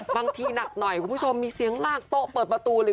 บางทีหนักหน่อยคุณผู้ชมมีเสียงลากโต๊ะเปิดประตูเลย